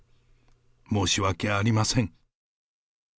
申し訳ありません。